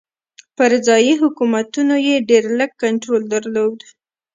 پر ځايي حکومتونو یې ډېر لږ کنټرول درلود.